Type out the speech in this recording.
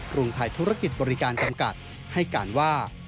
กรุงไทยธุรกิจบริการจำกัดให้การว่า